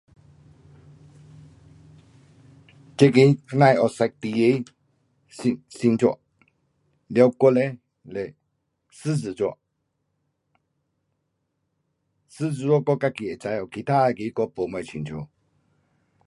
这个那样的有十二个星，星座，了我嘞是狮子座，狮子座我自己会知晓，其他那个我甭什么清楚。